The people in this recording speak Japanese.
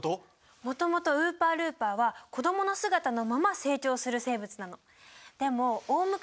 もともとウーパールーパーは子供の姿のまま成長する生物なの。